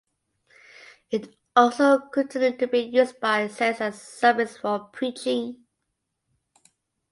It also continued to be used by saints and Sufis for preaching.